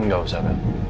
nggak usah nek